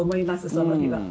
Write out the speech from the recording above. その日は。